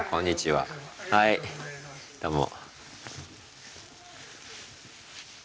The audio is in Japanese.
はいどうも。